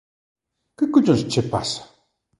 Que collóns che pasa?